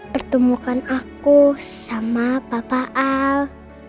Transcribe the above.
pertemukan aku sama papa al